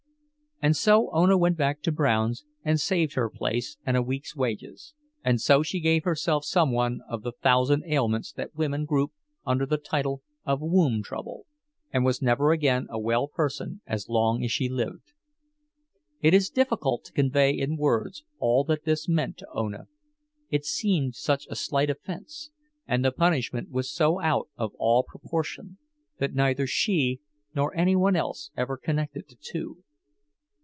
And so Ona went back to Brown's and saved her place and a week's wages; and so she gave herself some one of the thousand ailments that women group under the title of "womb trouble," and was never again a well person as long as she lived. It is difficult to convey in words all that this meant to Ona; it seemed such a slight offense, and the punishment was so out of all proportion, that neither she nor any one else ever connected the two.